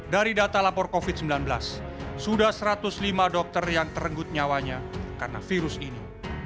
dari data lapor covid sembilan belas sudah satu ratus lima dokter yang terenggut nyawanya karena virus ini